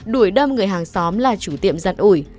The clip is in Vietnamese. đuổi đâm người hàng xóm là chủ tiệm giật ủi